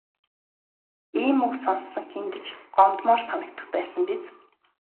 Ийм үг сонссон хэнд ч гомдмоор санагдах байсан биз.